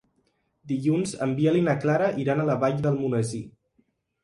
Dilluns en Biel i na Clara iran a la Vall d'Almonesir.